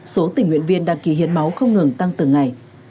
số tỉnh huyện viên đăng ký hiến máu không ngừng tăng từng ngày